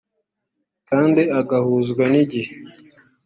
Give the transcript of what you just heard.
kandi agahuzwa n’igihe